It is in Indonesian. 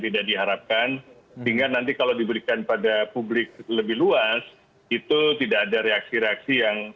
tidak diharapkan sehingga nanti kalau diberikan pada publik lebih luas itu tidak ada reaksi reaksi yang